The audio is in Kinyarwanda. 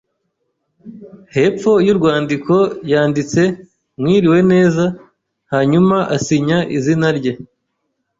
Hepfo y'urwandiko yanditse "Mwiriwe neza," hanyuma asinya izina rye.